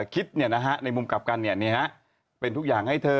คิดเนี้ยนะฮะในมุมกลับกันเนี้ยนะเป็นทุกอย่างให้เธอ